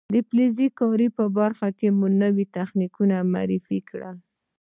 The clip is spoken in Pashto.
د فلز کارۍ په برخه کې نوي تخنیکونه معرفي کړل.